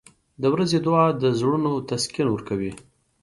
• د ورځې دعا د زړونو تسکین ورکوي.